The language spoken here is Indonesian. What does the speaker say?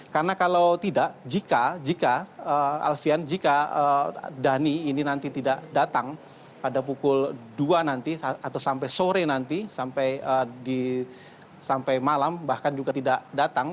karena kalau tidak jika dhani ini nanti tidak datang pada pukul dua nanti atau sampai sore nanti sampai malam bahkan juga tidak datang